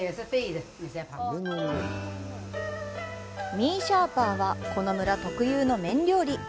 ミーシャーパーは、この村特有の麺料理。